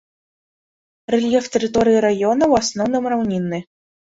Рэльеф тэрыторыі раёна ў асноўным раўнінны.